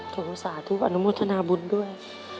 ขอบคุณภาษาทุกข์อนุโมทนาบุญด้วย